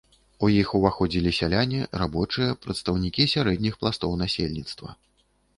У іх уваходзілі сяляне, рабочыя, прадстаўнікі сярэдніх пластоў насельніцтва.